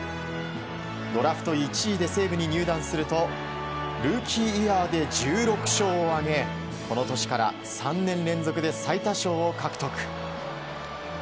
ドラフト１位で西武に入団するとルーキーイヤーで１６勝を挙げこの年から３年連続で最多勝を獲得。